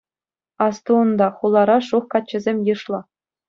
Асту унта, хулара шух каччӑсем йышлӑ.